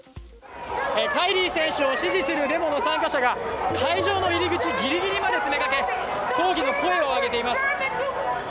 カイリー選手を支持するデモの参加者が会場の入り口ギリギリまで詰めかけ、抗議の声を上げています。